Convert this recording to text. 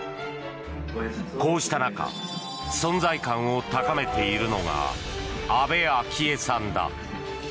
こうした中存在感を高めているのが安倍昭恵さんだ。